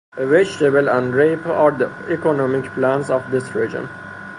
Vegetable and rape are the economic plants of this region.